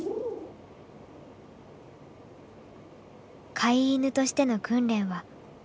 飼い犬としての訓練はほぼ十分。